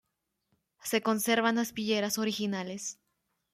Se conservan aspilleras originales.